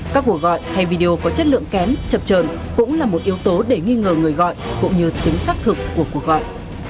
các cuộc gọi hay video có chất lượng kém chập trờn cũng là một yếu tố để nghi ngờ người gọi cũng như tính xác thực của cuộc gọi